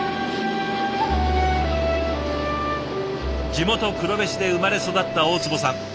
地元黒部市で生まれ育った大坪さん。